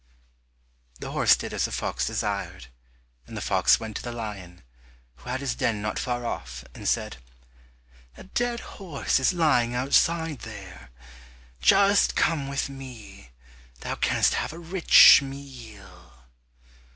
The horse did as the fox desired, and the fox went to the lion, who had his den not far off, and said, "A dead horse is lying outside there, just come with me, thou canst have a rich meal."